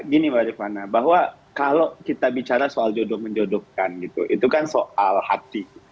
gini mbak rifana bahwa kalau kita bicara soal jodoh menjodohkan gitu itu kan soal hati